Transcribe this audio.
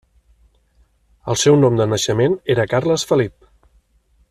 El seu nom de naixement era Carles Felip.